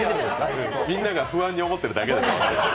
みんなが不安に思ってるだけだと思います。